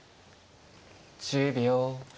１０秒。